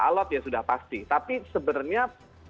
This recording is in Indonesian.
alot ya sudah pasti tapi sebenarnya